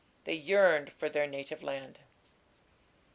They yearned for their native land.